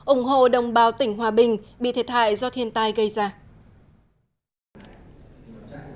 ủng hộ đồng bào tỉnh hòa bình bị thiệt hại do thiên tai gây ra